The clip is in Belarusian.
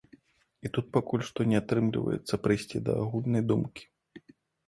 І тут пакуль што не атрымліваецца прыйсці да агульнай думкі.